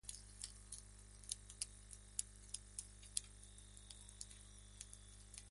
Celebración de las fiestas patrias, culmina con el tradicional baile.